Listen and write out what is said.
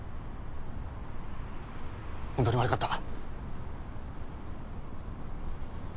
本当に悪かった。